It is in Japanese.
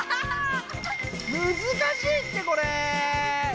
むずかしいってこれ。